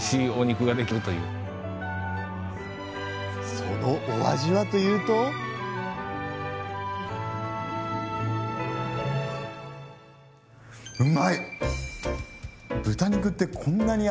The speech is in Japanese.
そのお味はというとあれ？